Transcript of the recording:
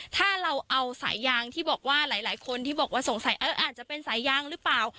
ถ้าเราเอาสายยางที่บอกว่าหลายคนที่บอกว่าสงสัยอาจจะเป็นสายยางหรือเปล่า